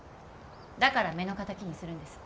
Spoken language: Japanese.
だから目の敵にするんです。